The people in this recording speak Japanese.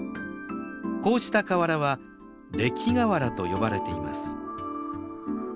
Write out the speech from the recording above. こうした河原は礫河原と呼ばれています。